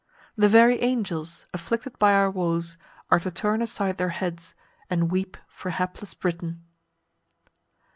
The very angels, afflicted by our woes, are to turn aside their heads, and weep for hapless Britain.